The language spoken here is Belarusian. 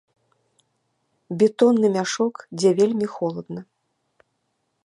Бетонны мяшок, дзе вельмі холадна.